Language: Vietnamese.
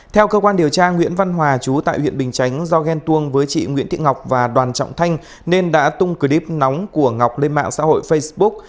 theo cơ quan điều tra nguyễn văn hòa chú tại huyện bình chánh do ghen tuông với chị nguyễn thị ngọc và đoàn trọng thanh nên đã tung clip nóng của ngọc lên mạng xã hội facebook